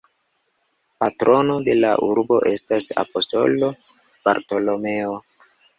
Patrono de la urbo estas Apostolo Bartolomeo.